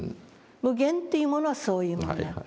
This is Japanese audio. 無限というものはそういうものだ。